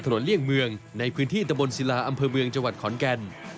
ก่อนเกิดเหตุกำลังขับรถกลับที่พักในตัวเมืองขอนแก่น